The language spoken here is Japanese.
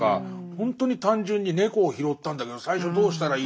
ほんとに単純に「猫を拾ったんだけど最初どうしたらいいの」って。